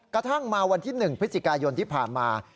กระทั่งมาวันที่๑พฤศจิกายนที่ผ่านมา